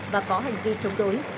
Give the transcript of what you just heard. và có hành vi chống đối